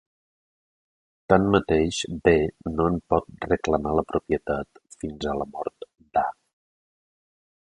Tanmateix, B no en pot reclamar la propietat fins a la mort d'A.